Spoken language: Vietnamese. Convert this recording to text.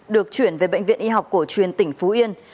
được chuyển về bệnh viện y học cổ truyền tỉnh phú yên